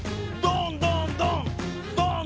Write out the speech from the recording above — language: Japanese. どんどんどん！